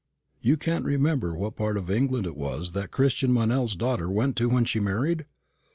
"You can't remember what part of England it was that Christian Meynell's daughter went to when she married?"